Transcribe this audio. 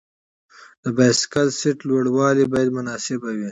د بایسکل سیټ لوړوالی باید مناسب وي.